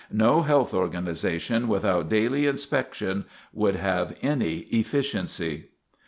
No health organization without daily inspection would have any efficiency.